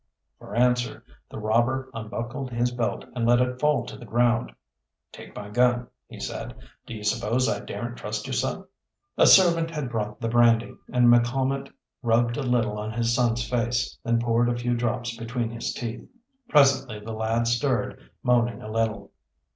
For answer the robber unbuckled his belt and let it fall to the ground. "Take my gun," he said. "Do you suppose I daren't trust you, seh?" A servant had brought the brandy, and McCalmont rubbed a little on his son's face, then poured a few drops between his teeth. Presently the lad stirred, moaning a little.